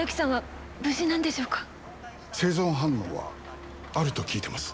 生存反応はあると聞いてます。